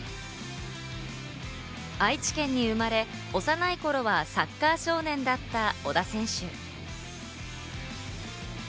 愛知県に生まれ、幼い頃はサッカー少年だった小田選手。